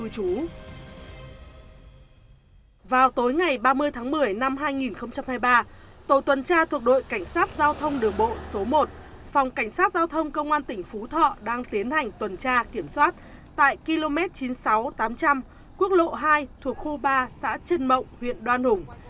cảnh sát giao thông công an tỉnh phú thọ đang tiến hành tuần tra kiểm soát tại km chín mươi sáu tám trăm linh quốc lộ hai thuộc khu ba xã trân mộng huyện đoan hùng